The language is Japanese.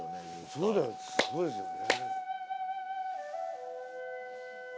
そうだよすごいですよね。